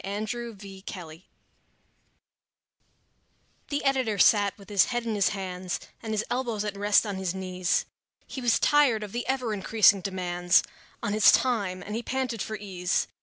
HE CAME TO PAY The editor sat with his head in his hands And his elbows at rest on his knees; He was tired of the ever increasing demands On his time, and he panted for ease.